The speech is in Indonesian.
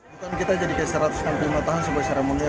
bukan kita jadikan satu ratus enam puluh lima tahun sebagai sara monia